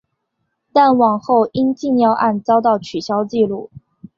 但往后因禁药案遭到取消记录。